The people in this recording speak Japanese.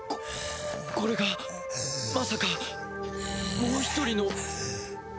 ここれがまさかもう一人の僕！？